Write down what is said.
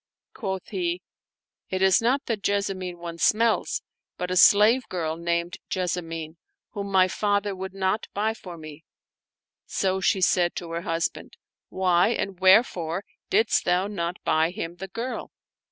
Quoth he, " It is not the jessamine one smells, but a slave girl named Jessa mine, whom my father would not buy for me." So she said to her husband, " Why and wherefore didst thou not buy him the girl?"